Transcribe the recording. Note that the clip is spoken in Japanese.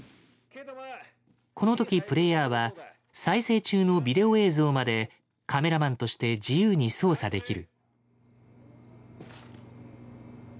この時プレイヤーは再生中のビデオ映像までカメラマンとして自由に操作できる。